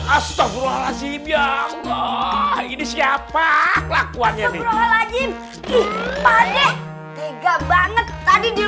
astaghfirullahaladzim ya allah ini siapa lakuannya di